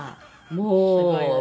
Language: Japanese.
すごいわね。